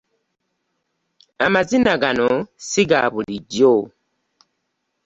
Amazina gano si ga bulijjo.